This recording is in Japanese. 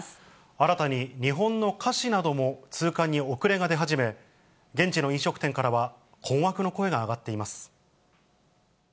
新たに日本の菓子なども通関に遅れが出始め、現地の飲食店からは、困惑の声が上がっています。